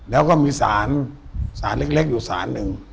แล้วก็มีสารสารเล็กอยู่สารหนึ่ง